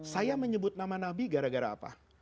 saya menyebut nama nabi gara gara apa